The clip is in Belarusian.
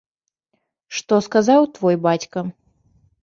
Што сказаў твой бацька?